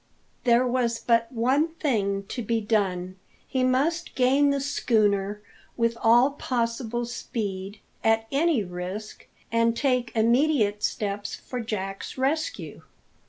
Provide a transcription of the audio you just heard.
There was but one thing to be done: he must gain the schooner with all possible speed, at any risk, and take immediate steps for Jack's rescue.